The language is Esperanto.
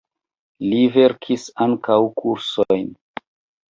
Li verkis ankaŭ kursojn.